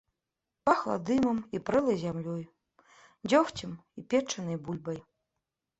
Пахла дымам і прэлай зямлёй, дзёгцем і печанай бульбай.